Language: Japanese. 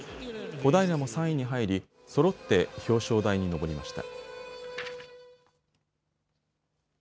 小平も３位に入り、そろって表彰台に上りました。